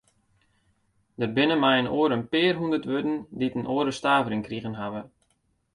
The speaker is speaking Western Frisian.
Der binne mei-inoar in pear hûndert wurden dy't in oare stavering krigen hawwe.